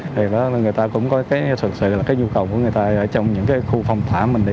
thì người ta cũng có cái nhu cầu của người ta trong những khu phòng thả mình đi